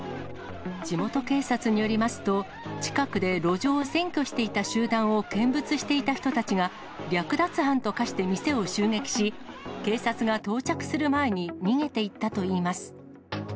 地元警察によりますと、近くで路上を占拠していた集団を見物していた人たちが、略奪犯と化して店を襲撃し、警察が到着する前に、逃げていったといいます。